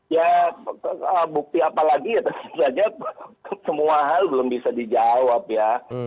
ya bukti apa lagi ya tentu saja semua hal belum bisa dijawab ya